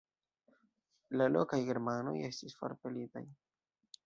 La lokaj germanoj estis forpelitaj.